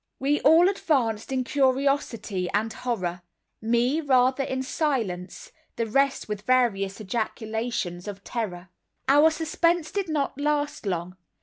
We all advanced in curiosity and horror; me rather in silence, the rest with various ejaculations of terror. Our suspense did not last long.